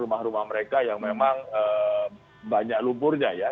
rumah rumah mereka yang memang banyak lumpurnya ya